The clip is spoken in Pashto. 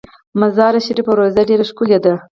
د مزار شریف روضه ډیره ښکلې ده